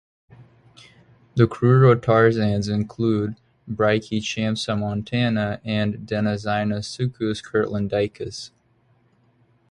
The crurotarsans include "Brachychampsa montana" and "Denazinosuchus kirtlandicus".